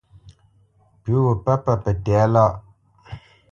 Pʉ̌ wo pə̂ pə tɛ̌lâʼ lâ.